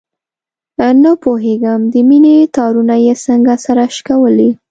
نه پوهېږم د مینې تارونه یې څنګه سره شکولي.